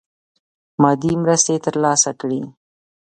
مادي مرستي تر لاسه کړي.